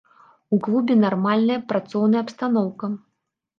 У клубе нармальная працоўная абстаноўка.